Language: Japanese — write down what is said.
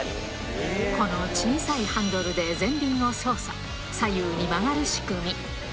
この小さいハンドルで全力で操作、左右に曲がる仕組み。